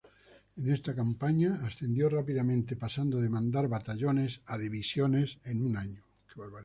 En esta campaña ascendió rápidamente, pasando de mandar batallones a divisiones en un año.